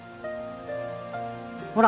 ほら！